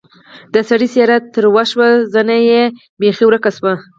د سړي څېره تروه شوه زنه بېخي ورکه شوه.